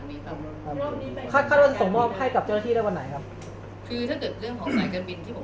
เพราะเราต้องการเงินคืน